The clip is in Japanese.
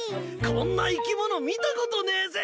こんな生き物見たことねえぜ。